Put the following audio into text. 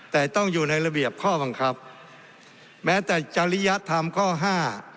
แต่ต้องอยู่ในระเบียบข้อบังคับแม้แต่จริยธรรมข้อห้า